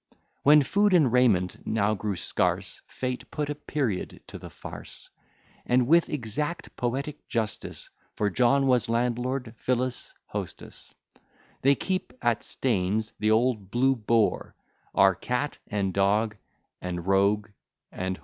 When food and raiment now grew scarce, Fate put a period to the farce, And with exact poetic justice; For John was landlord, Phyllis hostess; They keep, at Stains, the Old Blue Boar, Are cat and dog, and rogue and whore.